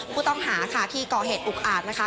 ผู้ต้องหาค่ะที่ก่อเหตุอุกอาจนะคะ